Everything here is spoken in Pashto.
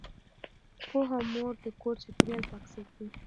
پوهه مور د کور چاپیریال پاک ساتي۔